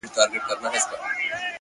• مــروره در څه نـه يمـه ه ـ